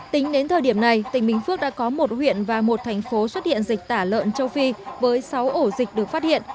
tính đến thời điểm này tỉnh bình phước đã có một huyện và một thành phố xuất hiện dịch tả lợn châu phi với sáu ổ dịch được phát hiện